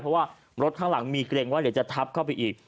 เพราะว่ารถข้างหลังมีเกรงว่าเดี๋ยวจะทับเข้าไปอีก